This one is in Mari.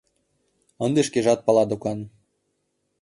— Ынде шкежат пала докан.